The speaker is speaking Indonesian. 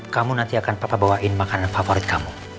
kamu nanti akan papa bawain makanan favorit kamu